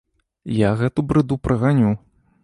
Я гэту брыду праганю.